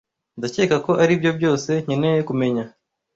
Ndakeka ko aribyo byose nkeneye kumenya.